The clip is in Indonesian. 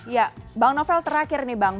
ya bang novel terakhir nih bang